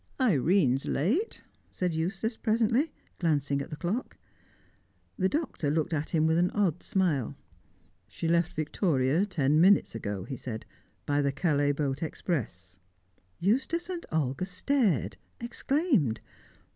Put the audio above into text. "Irene's late," said Eustace presently, glancing at the clock. The Doctor looked at him with an odd smile. "She left Victoria ten minutes ago," he said, "by the Calais boat express." Eustace and Olga stared, exclaimed.